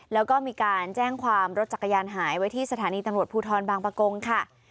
แล้วก็มีการแจ้งความรถจักรยานหายไว้ที่สถานีตำรวจภูทรบางประกงค่ะ